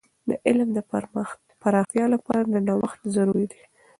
د علم د پراختیا لپاره د نوښت ضرورت دی.